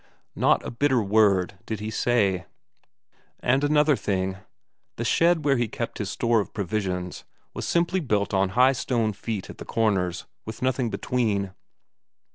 Not a bitter word did he say. And another thing: the shed where he kept his store of provisions was simply built on high stone feet at the corners, with nothing between.